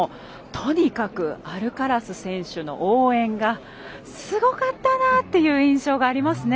とにかくアルカラス選手の応援がすごかったなっていう印象がありますね。